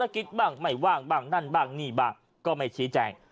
ก็ไม่ชี้แจง